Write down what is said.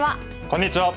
こんにちは！